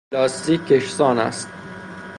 لاستیک کشسان است.